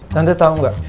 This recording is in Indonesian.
tante tau gak